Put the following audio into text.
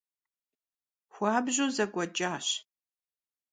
Xuabju zek'ueç'aş.